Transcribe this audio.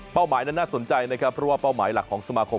หมายนั้นน่าสนใจนะครับเพราะว่าเป้าหมายหลักของสมาคม